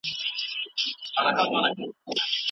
يو انسان په خوني کي خپل اخلاق سم ساتي.